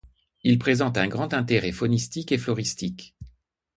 Il présente un grand intérêt faunistique et floristique.